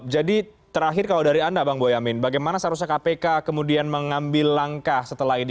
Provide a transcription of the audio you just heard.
jadi terakhir kalau dari anda bang boyamin bagaimana seharusnya kpk kemudian mengambil langkah setelah ini